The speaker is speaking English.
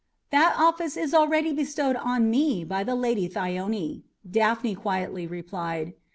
"That office is already bestowed on me by the Lady Thyone," Daphne quietly replied.